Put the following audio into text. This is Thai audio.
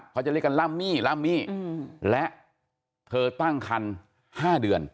เขาจะเรียกกันลัมมี่ลัมมี่และเธอตั้งคัน๕เดือน